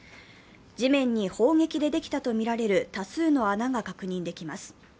地面に砲撃でできたとみられる多数の穴が確認できます。